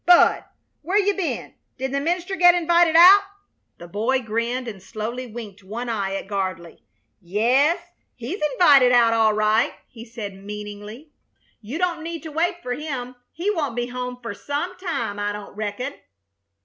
"Bud, wher you be'n? Did the minister get invited out?" The boy grinned and slowly winked one eye at Gardley. "Yes, he's invited out, all right," he said, meaningly. "You don't need to wait fer him. He won't be home fer some time, I don't reckon."